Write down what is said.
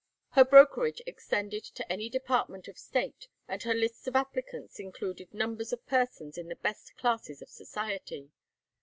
Her brokership extended to any department of state, and her lists of applicants included numbers of persons in the best classes of society.